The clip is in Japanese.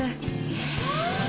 え。